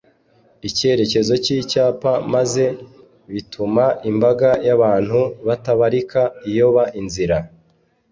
icyerekezo cyicyapa maze bituma imbaga yabantu batabarika iyoba inzira